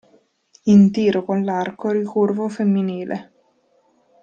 In tiro con l'arco ricurvo femminile.